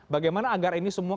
bagaimana agar ini semua